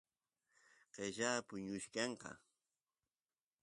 qella puñuchkanlla